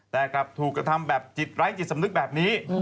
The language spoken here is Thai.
แต่กลับถูกกระทำแบบจิตไร้จิตสำนึกแบบนี้